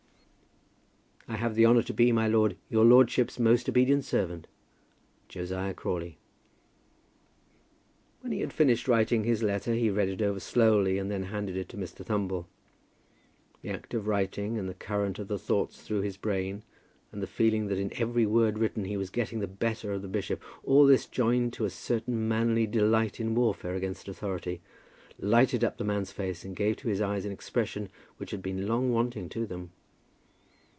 I have the honour to be, my lord, Your lordship's most obedient servant, JOSIAH CRAWLEY. When he had finished writing his letter he read it over slowly, and then handed it to Mr. Thumble. The act of writing, and the current of the thoughts through his brain, and the feeling that in every word written he was getting the better of the bishop, all this joined to a certain manly delight in warfare against authority, lighted up the man's face and gave to his eyes an expression which had been long wanting to them.